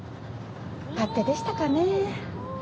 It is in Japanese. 勝手でしたかね。